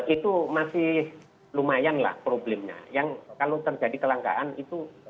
itu masih lumayan lah problemnya yang kalau terjadi kelangkaan itu